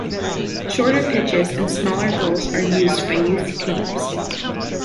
Shorter pitches and smaller goals are used by youth teams.